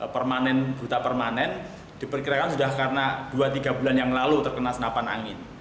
permanen buta permanen diperkirakan sudah karena dua tiga bulan yang lalu terkena senapan angin